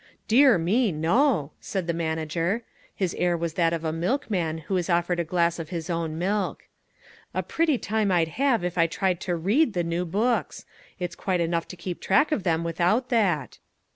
"Dear me, no!" said the manager. His air was that of a milkman who is offered a glass of his own milk. "A pretty time I'd have if I tried to READ the new books. It's quite enough to keep track of them without that."